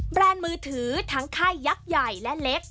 แรนด์มือถือทั้งค่ายยักษ์ใหญ่และเล็ก